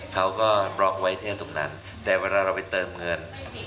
เขาก็บล็อกไว้ที่นั่นตรงนั้นแต่เวลาเราไปเติมเงิน